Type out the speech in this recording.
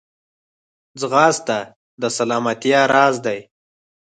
ځغاسته د سلامتیا راز دی